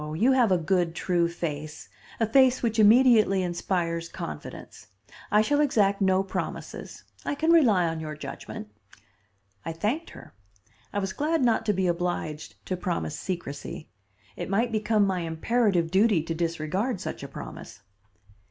You have a good, true face; a face which immediately inspires confidence. I shall exact no promises. I can rely on your judgment." I thanked her. I was glad not to be obliged to promise secrecy. It might become my imperative duty to disregard such a promise.